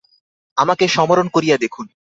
আমাকে সমরণ করিয়া দেখুন।